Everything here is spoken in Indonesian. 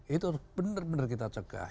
itu harus benar benar kita cegah